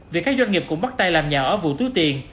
vì các doanh nghiệp cũng bắt tay làm nhà ở vụ túi tiền